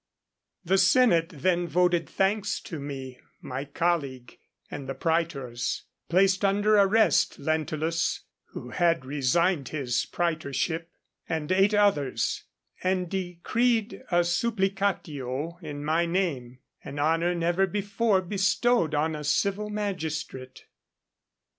_The Senate then voted thanks to me, my colleague, and the praetors; placed under arrest Lentulus (who had resigned his praetorship) and eight others; and decreed a supplicatio in my name, an honour never before bestowed on a civil magistrate.